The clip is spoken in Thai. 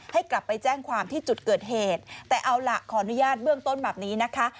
ให้กลับไปแจ้งความที่จุดเกิดเหตุแต่เอาล่ะขออนุญาตเบื้องต้นแบบนี้นะคะ